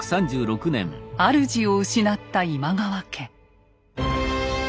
主を失った今川家。